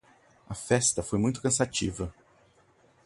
A festa foi muito cansativa.